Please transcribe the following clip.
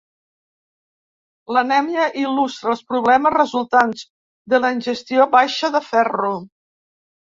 L'anèmia il·lustra els problemes resultants de la ingestió baixa de ferro.